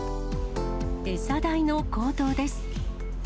餌代の高騰です。